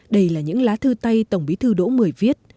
đây là những lá thư tay tổng bí thư đỗ mười viết